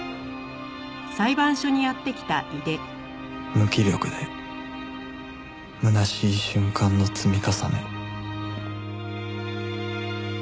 無気力でむなしい瞬間の積み重ね